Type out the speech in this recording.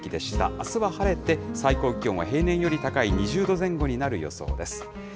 あすは晴れて、最高気温は平年より高い２０度前後になる予想です。